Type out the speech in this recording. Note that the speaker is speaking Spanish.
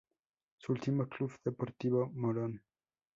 Su último club fue Deportivo Morón.